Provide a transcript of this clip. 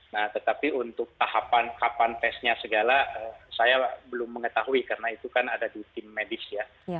nah tetapi untuk tahapan kapan tesnya segala saya belum mengetahui karena itu kan ada di tim medis ya